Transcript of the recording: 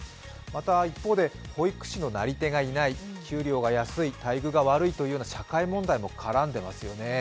また一方で、保育士のなり手がいない、給料が安い、待遇が悪いという社会問題も絡んでますよね。